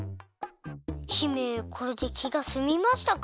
姫これできがすみましたか？